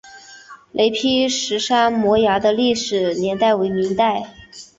雷劈石山摩崖的历史年代为明代。